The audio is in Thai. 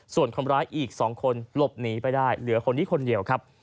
ส่วนคนร้ายอีก๒คนหลบหนีไปได้เหลือคนนี้คนเดียวครับ